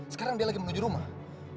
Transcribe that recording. sekarang dia lagi menuju rumah